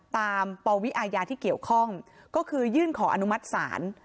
ปวิอาญาที่เกี่ยวข้องก็คือยื่นขออนุมัติศาล